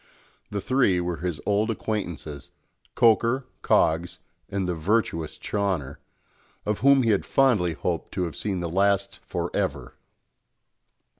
The three were his old acquaintances, Coker, Coggs, and the virtuous Chawner of whom he had fondly hoped to have seen the last for ever!